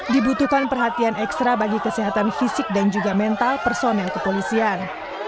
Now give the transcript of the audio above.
dibutuhkan perhatian ekstra bagi kesehatan fisik dan juga mental personel kepolisian